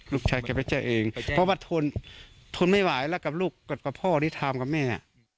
ลูกชายไปแจ้งเพราะว่าทนทนไม่ไหวและกับพ่อที่ทำกับแม่